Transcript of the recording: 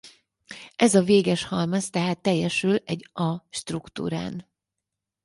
Ez a véges halmaz tehát teljesül egy A struktúrán.